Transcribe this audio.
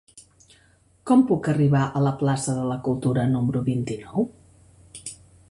Com puc arribar a la plaça de la Cultura número vint-i-nou?